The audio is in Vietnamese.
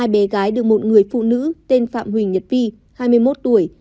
hai bé gái được một người phụ nữ tên phạm huỳnh nhật vi hai mươi một tuổi